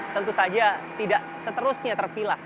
tentu saja tidak seterusnya terpilah